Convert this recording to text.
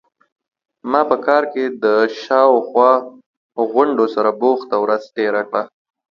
ما په کار کې د شا او خوا غونډو سره بوخته ورځ تیره کړه.